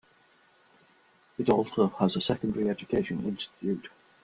It also has a secondary education institute.